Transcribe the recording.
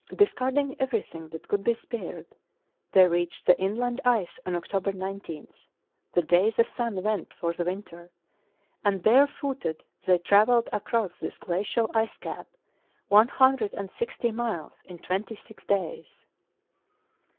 Discarding everything that could be spared, they reached the inland ice on October 19, the day the sun went for the winter, and barefooted they travelled across this glacial ice cap one hundred and sixty miles in twenty six days.